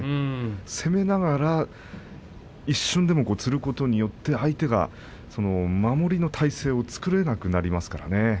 攻めながら一瞬でもつることによって相手は守りの体勢を作れなくなります。